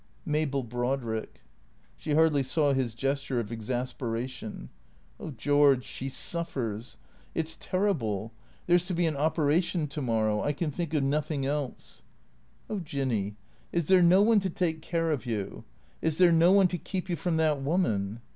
"Mabel Brodrick." She hardly saw his gesture of exasperation. " Oh, George, she suffers. It 's terrible. There 's to be an operation — to morrow. I can think of nothing else." 446 THE CEEATOES " Oh, Jinny, is there no one to take care of you ? Is there no one to keep you from that woman